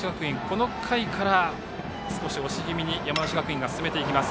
この回から少し押し気味に山梨学院が進めていきます。